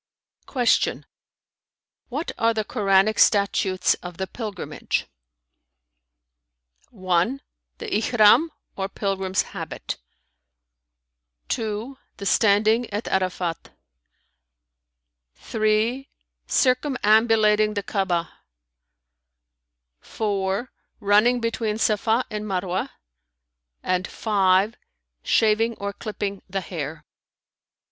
Q "What are the Koranic statutes of the Pilgrimage?" "(1) The Ihrαm or pilgrim's habit; (2) the standing at Arafat; (3) circumambulating the Ka'abah; (4) running between Safα and Marwah[FN#322]; and (5) shaving or clipping the hair."